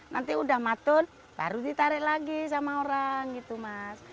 nanti udah matun baru ditarik lagi sama orang gitu mas